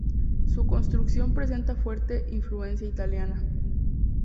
Su construcción presenta fuerte influencia italiana.